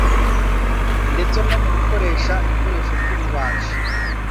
ndetse no mu gukoresha ibikoreshoby'ububaji.